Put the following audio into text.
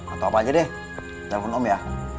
atau apa aja deh telepon om ya